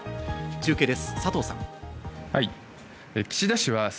中継です、佐藤さん。